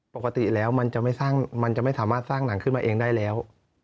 ปกติแล้วมันจะไม่สามารถสร้างหนังขึ้นมาเองได้แล้ว